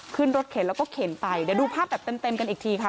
ขึ้นรถเข็นแล้วก็เข็นไปเดี๋ยวดูภาพแบบเต็มกันอีกทีค่ะ